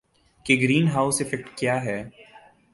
کہ green house effect کیا ہے